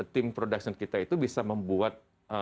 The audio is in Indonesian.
tim production kita itu bisa membuat